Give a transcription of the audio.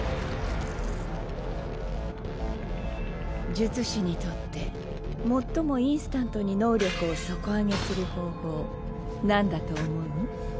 術師にとって最もインスタントに能力を底上げする方法なんだと思う？